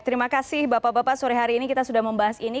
terima kasih bapak bapak sore hari ini kita sudah membahas ini